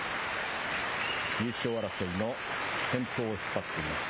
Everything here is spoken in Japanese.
優勝争いの先頭を引っ張っています。